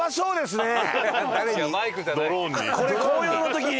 これ紅葉の時に！